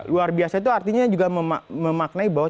luar biasa itu artinya juga memaknai bahwa